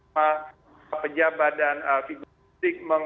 sama pejabat dan figuristik